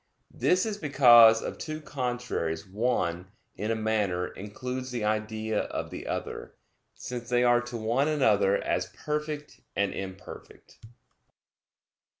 This is because of two contraries one, in a manner, includes the idea of the other, since they are to one another as perfect and imperfect.